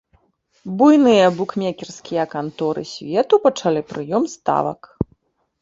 Буйныя букмекерскія канторы свету пачалі прыём ставак.